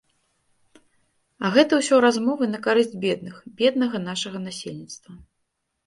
А гэта ўсё размовы на карысць бедных, беднага нашага насельніцтва.